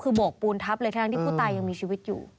คือโบกปูนทับเลยทั้งที่ผู้ตายยังมีชีวิตอยู่